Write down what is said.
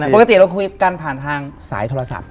ปกติเราคุยกันผ่านทางสายโทรศัพท์